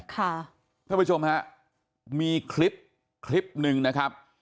ท่านผู้ชมฮะมีคลิปคลิปหนึ่งนะครับ